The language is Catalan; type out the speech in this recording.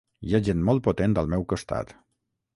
Hi ha gent molt potent al meu costat.